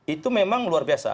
itu memang luar biasa